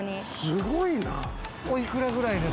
すごいな。